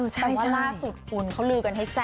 แต่ว่าล่าสุดคุณเขาลือกันให้แซ่บ